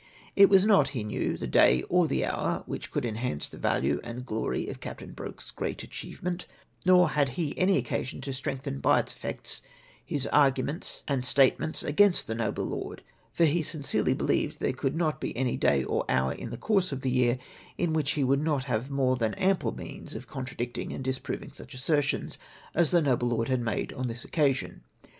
It was not, he knew, the day or the hour which could enhance the value and glory of Captain Broke's great achieve ment, nor had he any occasion to strengthen by its effects his arguments and statements against the noble lord, for he sincerely believed there could not be any day or hour in the course of the year in which he would not have more than ample means of contradicting and disproving such assertions as the noble lord had made on this occasion.